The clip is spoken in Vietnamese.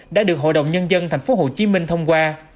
đã được hội đồng nhân dân tp hcm thông qua